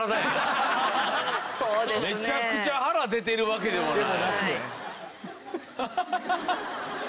めちゃくちゃ腹出てるわけでもない。